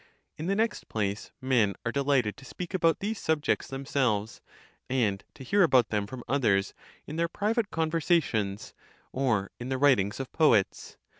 In the next place, men are delighted to speak about these subjects themselves, and to hear about them from others in their private conversations, or in the writings of poets.